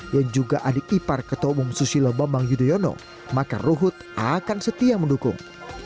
yang juga adik ipar ketua umum susilo bambang yudhoyono maka ruhut akan setia mendukung